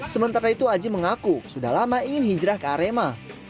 sementara itu aji mengaku sudah lama ingin hijrah ke arema